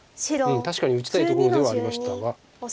確かに打ちたいところではありましたが。